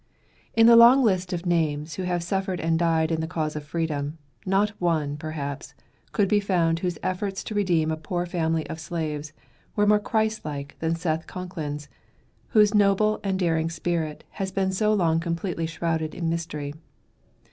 In the long list of names who have suffered and died in the cause of freedom, not one, perhaps, could be found whose efforts to redeem a poor family of slaves were more Christlike than Seth Concklin's, whose noble and daring spirit has been so long completely shrouded in mystery.